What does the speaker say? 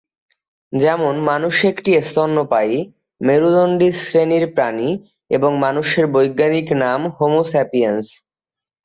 যেমন মানুষ একটি স্তন্যপায়ী, মেরুদণ্ডী শ্রেণীর প্রাণী এবং মানুষের বৈজ্ঞানিক নাম "হোমো স্যাপিয়েন্স"।